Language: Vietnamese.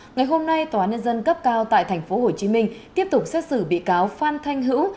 ngày hôm nay tòa nhân dân cấp cao tại tp hcm tiếp tục xét xử bị cáo phan thanh hữu